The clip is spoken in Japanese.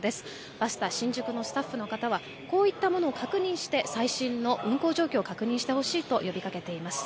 バスタ新宿のスタッフの方はこういったものを確認して最新の運行状況を確認してほしいと呼びかけています。